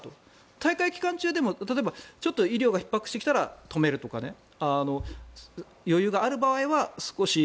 大会期間中でも例えばちょっと医療がひっ迫してきたら止めるとか余裕がある場合は少し。